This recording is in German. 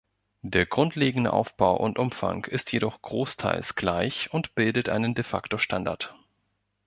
Der grundlegende Aufbau und Umfang ist jedoch großteils gleich und bildet einen De-facto-Standard.